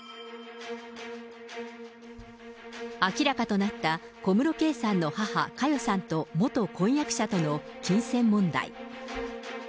明らかとなった小室圭さんの母、佳代さんと元婚約者との金銭問題。